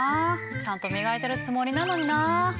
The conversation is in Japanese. ちゃんと磨いてるつもりなのにな。